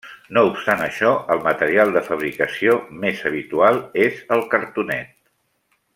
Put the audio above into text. No obstant això, el material de fabricació més habitual és el cartonet.